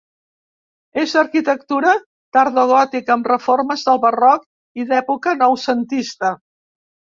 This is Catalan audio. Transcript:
És d'arquitectura tardogòtica, amb reformes del barroc i d'època noucentista.